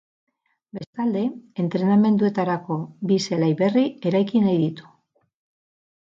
Bestalde, entrenamenduetarako bi zelai berri eraiki nahi ditu.